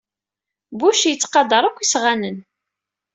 Bush yettqadar akk isɣanen.